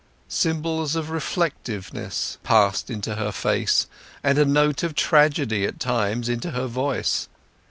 Symbols of reflectiveness passed into her face, and a note of tragedy at times into her voice.